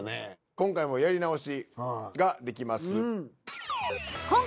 今回もやり直しができます。